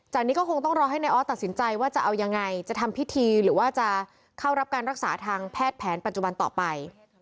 นี้ก็คงต้องรอให้นายออสตัดสินใจว่าจะเอายังไงจะทำพิธีหรือว่าจะเข้ารับการรักษาทางแพทย์แผนปัจจุบันต่อไป